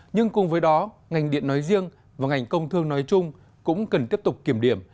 nhưng cùng với đó ngành điện nói riêng và ngành công thương nói chung cũng cần tiếp tục kiểm điểm